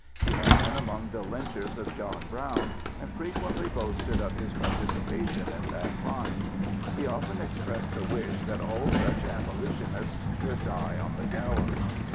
He had been among the lynchers of John Brown and frequently boasted of his participation in that crime. He often expressed the wish that all such abolitionists should die on the gallows.